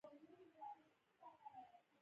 استخدام د ادارې په تشکیل کې راځي.